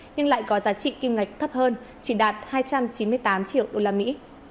nhưng lại có giá trị kim ngạch thấp hơn chỉ đạt hai trăm chín mươi tám triệu đô la mỹ